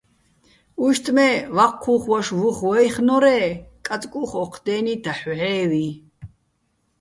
უჲშტ მე́, ვაჴჴუ́ხ ვაშო̆ ვუხ ვაჲხნორ-ე́, კაწკუ́ხ ოჴ დე́ნი დაჰ̦ ვჵე́ვიჼ.